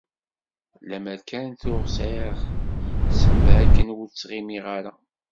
Lemmer kan tuɣ sεiɣ ssebba akken ur ttɣimiɣ ara.